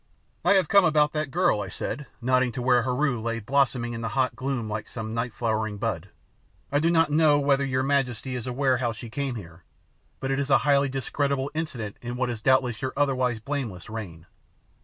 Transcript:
'' "I have come about that girl," I said, nodding to where Heru lay blossoming in the hot gloom like some night flowering bud. "I do not know whether your majesty is aware how she came here, but it is a highly discreditable incident in what is doubtless your otherwise blameless reign.